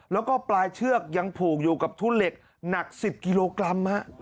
แล้วก็ปลายเชือกยังผูกอยู่กับทุเหล็กหนัก๑๐กิโลกรัม